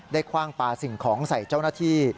คว่างปลาสิ่งของใส่เจ้าหน้าที่